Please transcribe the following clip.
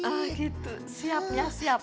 ah gitu siap ya siap